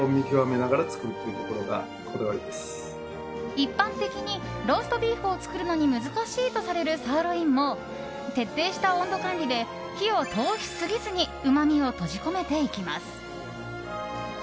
一般的に、ローストビーフを作るのに難しいとされるサーロインも徹底した温度管理で火を通しすぎずにうまみを閉じ込めていきます。